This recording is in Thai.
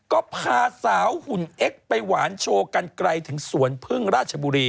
ก็พาสาวหุ่นเอ็กซ์ไปหวานโชว์กันไกลถึงสวนพึ่งราชบุรี